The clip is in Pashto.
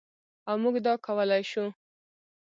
او موږ دا کولی شو.